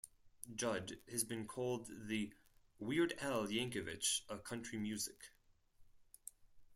Judd has been called the "Weird" Al Yankovic of country music.